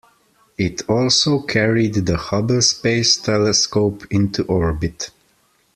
It also carried the Hubble Space Telescope into orbit.